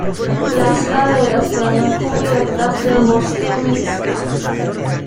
Las laderas se hayan cubiertas de bosque mixto.